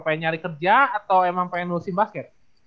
pengen nyari kerja atau emang pengen musim basket